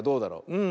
うん。